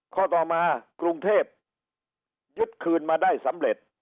ข้อต่อมากรุงเทพยึดคืนมาได้สำเร็จ